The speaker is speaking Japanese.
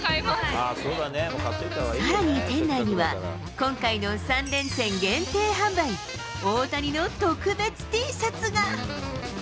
さらに店内には、今回の３連戦限定販売、大谷の特別Ｔシャツが。